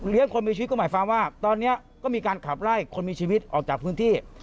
คนมีชีวิตก็หมายความว่าตอนนี้ก็มีการขับไล่คนมีชีวิตออกจากพื้นที่